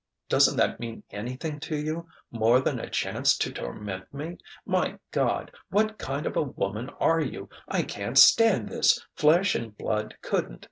Doesn't that mean anything to you, more than a chance to torment me? My God! what kind of a woman are you? I can't stand this. Flesh and blood couldn't.